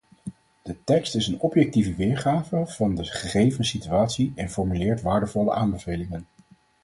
De tekst is een objectieve weergave van de gegeven situatie, en formuleert waardevolle aanbevelingen.